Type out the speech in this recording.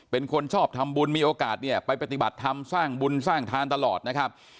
เป็นคนชอบทำบุญมีโอกาสเนี่ยไปปฏิบัติธรรมสร้างบุญสร้างทานตลอดนะครับ